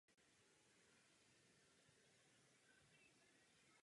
Na západní straně se měl nacházet nadzemní objekt ve zvýšené poloze.